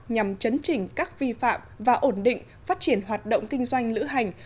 nhằm chấn chỉnh các vi phạm và ổn định phát triển hoạt động kinh doanh lữ hành